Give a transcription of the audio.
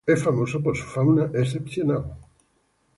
Es famoso por su fauna excepcional.